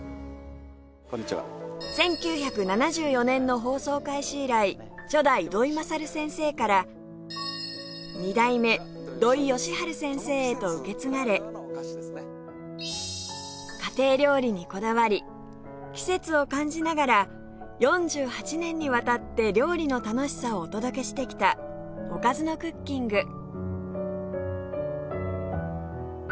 １９７４年の放送開始以来初代土井勝先生から２代目土井善晴先生へと受け継がれ家庭料理にこだわり季節を感じながら４８年にわたって料理の楽しさをお届けしてきた『おかずのクッキング』